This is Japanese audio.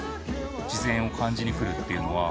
自然を感じに来るっていうのは。